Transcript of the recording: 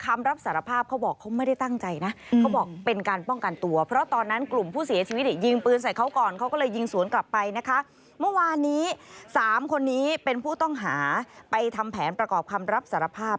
เมื่อวานนี้๓คนนี้เป็นผู้ต้องหาไปทำแผนประกอบคำรับสารภาพ